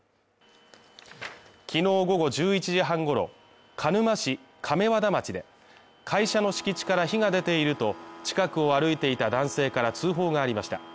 きのう午後１１時半ごろ鹿沼市亀和田町で、会社の敷地から火が出ていると近くを歩いていた男性から通報がありました。